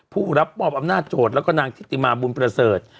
ผู้รับมอบอำนาจโจทย์แล้วก็นางทิติมาบุญประเสริฐ